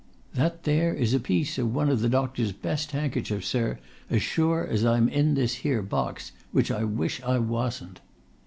That there is a piece of one of the doctor's best handkerchiefs, sir, as sure as I'm in this here box which I wish I wasn't!"